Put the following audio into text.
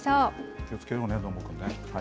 気をつけようね、どーもくんね。